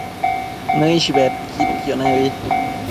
Nëish bedquidquio nebi